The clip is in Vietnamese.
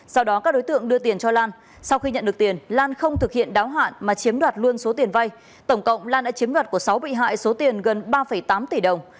sau đó các đối tượng đưa tiền cho lan sau khi nhận được tiền lan không thực hiện đáo hạn mà chiếm đoạt luôn số tiền vay tổng cộng lan đã chiếm đoạt của sáu bị hại số tiền gần ba tám tỷ đồng